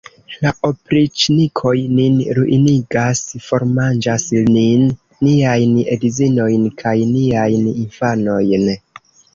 La opriĉnikoj nin ruinigas, formanĝas nin, niajn edzinojn kaj niajn infanojn!